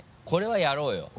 これはやろうよ。